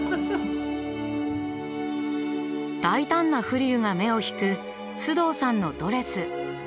大胆なフリルが目を引く須藤さんのドレス。